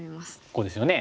ここですよね。